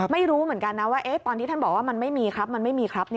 ไม่รู้เหมือนกันนะว่าตอนที่ท่านบอกว่ามันไม่มีครับมันไม่มีครับ